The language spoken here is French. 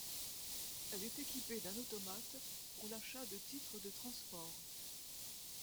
Elle est équipée d'un automate pour l'achat de titres de transport.